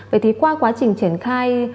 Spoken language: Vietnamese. vậy thì qua quá trình triển khai